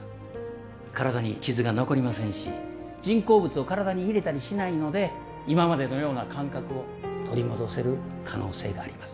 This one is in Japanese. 体に傷が残りませんし人工物を体に入れたりしないので今までのような感覚を取り戻せる可能性があります